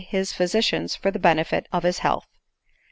bis physicians for the benefit of his health.